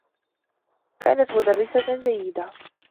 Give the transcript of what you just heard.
كانت مدرّسة جيّدة.